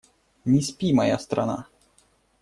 Не спи, моя страна!